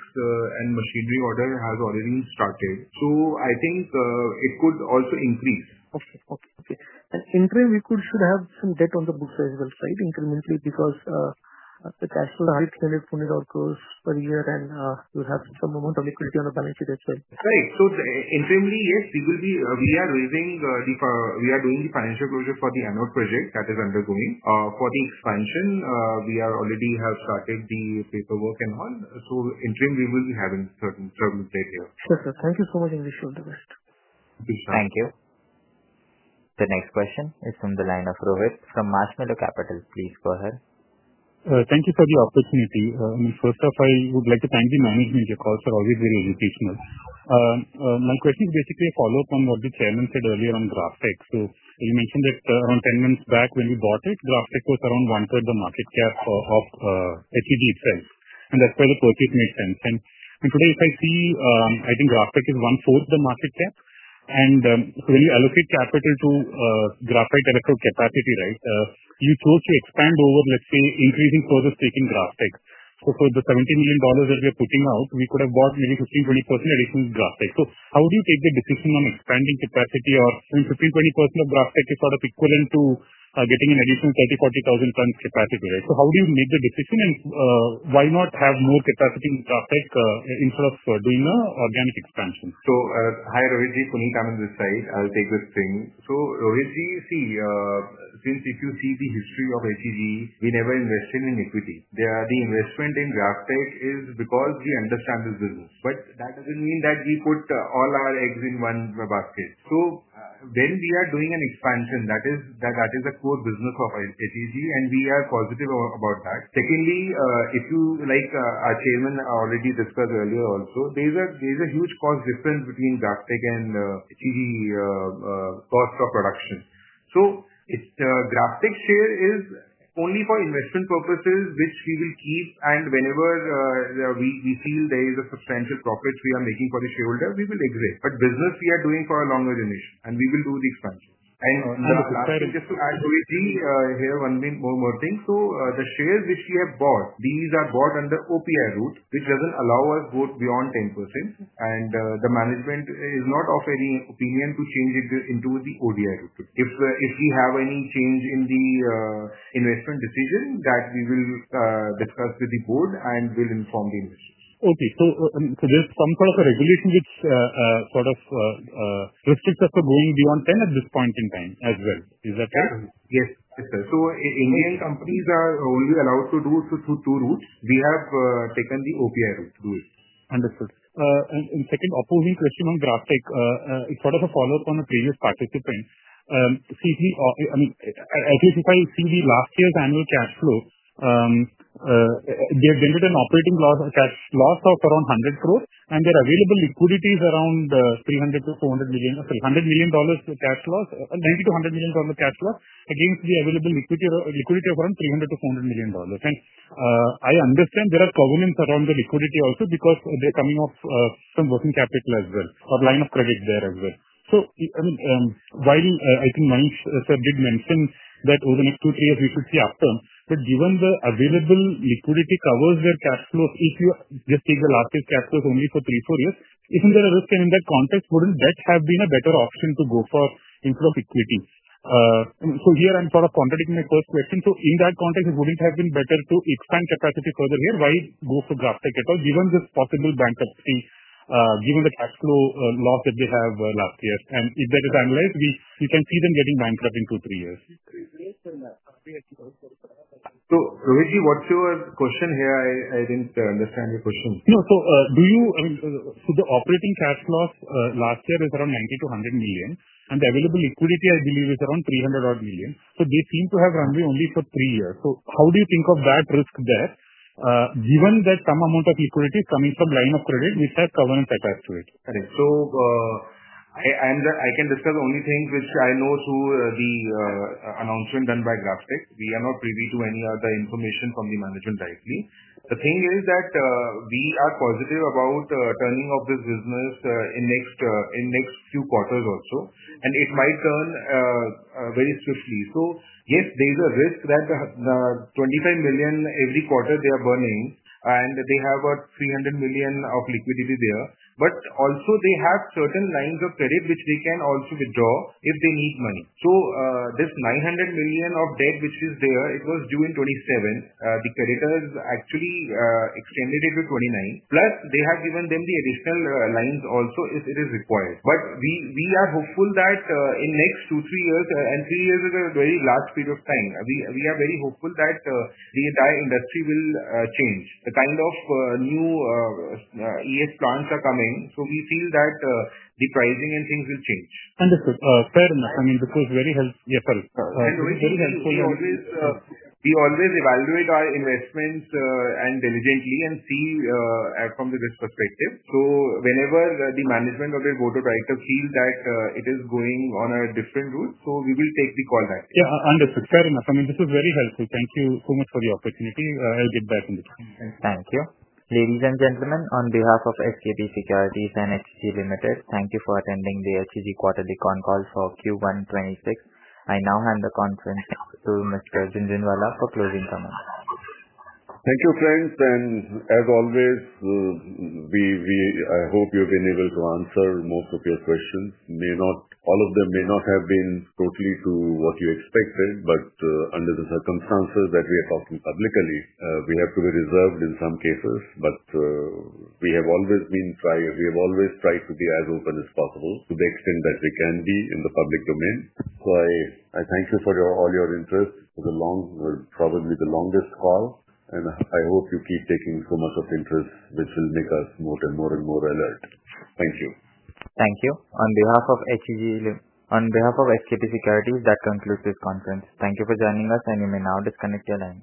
and machinery order has already started. I think it could also increase. Okay, okay. In interim, we should have some debt on the book sales side incrementally because the cash flow. Standard INR 20 crore per year and we'll have some amount of equity on the balance sheet as well. Right. Interimly, yes, we will be, we are raising the, we are doing the financial closure for the anode project that is undergoing. For the expansion, we already have started the paperwork and all. Interim, we will be having certain terms later here. Sure, sir. Thank you so much, and wish you all the best. Thank you. The next question is from the line of [Rohit from Marshmallow Capital]. Please go ahead. Thank you for the opportunity. First off, I would like to thank the management. Your calls are always very educational. My question is basically a follow-up on what the Chairman said earlier on GrafTech. You mentioned that around 10 months back, when you bought it, GrafTech was around 1/3 of the market cap of HEG itself. That's where the purchase made sense. Today, if I see, I think GrafTech is 1/4 of the market cap. When you allocate capital to graphite electrode capacity, you chose to expand over, let's say, increasing process taking GrafTech. For the $70 million that we are putting out, we could have bought maybe 15%-20% additional GrafTech. How do you take the decision on expanding capacity or when 15%-20% of GrafTech is sort of equivalent to getting an additional 30,000-40,000 tons capacity? How do you make the decision and why not have more capacity in GrafTech instead of doing the organic expansion? Hi, Rohit. Puneet Anand on this side. I'll take this thing. Rohit, you see, since if you see the history of HEG, we never invested in equity. The investment in GrafTech is because we understand this business. That doesn't mean that we put all our eggs in one basket. When we are doing an expansion, that is the core business of HEG, and we are positive about that. Secondly, like our Chairman already discussed earlier also, there's a huge cost difference between GrafTech and HEG costs for production. GrafTech's share is only for investment purposes, which we will keep. Whenever we feel there is a substantial profit we are making for the shareholders, we will exit. The business we are doing for a longer duration, and we will do the expansion. Just to add, Rohit, here one more thing. The shares which we have bought, these are bought under FPI route, which doesn't allow us to vote beyond 10%. The management is not offering an opinion to change it into the FDI route. If you have any change in the investment decision, that we will discuss with the board and we'll inform the investors. Okay. There's some kind of a regulation which sort of restricts us from going beyond 10% at this point in time as well. Is that fair? Yes, yes, sir. Indian companies are only allowed to do it through two routes. We have taken the FPI route to do it. Understood. Second, opposing question on GrafTech. It's sort of a follow-up on the previous participant. See, I mean, at least if I see last year's annual cash flow, they did an operating loss of around 100 crore, and their available liquidity is around $300 million-$400 million cash loss, [a nd maybe $200 million] of cash loss against the available liquidity of around $300 million-$400 million. I understand there are covenants around the liquidity also because they're coming off some working capital as well or line of credit there as well. I mean, while I think Manish sir did mention that over the next two, three years, we could see upturn, but given the available liquidity covers their cash flow, if you just take last year's cash flow only for three, four years, isn't there a risk that in that context, wouldn't that have been a better option to go for inflow of equity? Here I'm sort of contradicting the first question. In that context, wouldn't it have been better to expand capacity further here? Why go for GrafTech? Because given this possible bankruptcy, given the cash flow loss that they have last year, and if that is analyzed, you can see them getting bankrupt in two, three years. Rohit, what's your question here? I didn't understand your question. Do you, I mean, the operating cash loss last year is around 90 million-100 million, and the available liquidity, I believe, is around 300 million. They seem to have run only for three years. How do you think of that risk there, given that some amount of liquidity is coming from line of credit, if that covenant attached to it? Right. I can discuss only things which I know through the announcement done by GrafTech. We are not privy to any other information from the management directly. The thing is that we are positive about turning off this business in the next few quarters or so, and it might turn very swiftly. Yes, there's a risk that the $25 million every quarter they are burning, and they have about $300 million of liquidity there. They also have certain lines of credit which they can withdraw if they need money. This $900 million of debt which is there was due in 2027. The creditors actually extended it to 2029. They have given them the additional lines also if it is required. We are hopeful that in the next two, three years, and three years is a very large period of time, we are very hopeful that the entire industry will change. The kind of new EAF plants are coming. We feel that the pricing and things will change. Understood. Fair enough. I mean, this was very helpful. Yeah, sorry. It was very helpful. We always evaluate our investments intelligently and see from the good perspective. Whenever the management or the Board of Directors feels that it is going on a different route, we will take the call back. Yeah, understood. Fair enough. I mean, this is very helpful. Thank you so much for the opportunity. I'll get back in the queue. Thanks. Ladies and gentlemen, on behalf of SKP Securities and HEG Limited, thank you for attending the HEG quarterly con call for Q1 2026. I now hand the conference to Mr. Jhunjhunwala for closing comments. Thank you, friends. As always, I hope you've been able to answer most of your questions. Not all of them may have been totally to what you expected, but under the circumstances that we are talking publicly, we have to be reserved in some cases. We have always tried to be as open as possible to the extent that we can be in the public domain. I thank you for all your interest. It was a long, probably the longest call. I hope you keep taking so much of interest, which will make us more and more and more alert. Thank you. Thank you. On behalf of HEG Limited, on behalf of SKP Securities, that concludes this conference. Thank you for joining us, and you may now disconnect your line.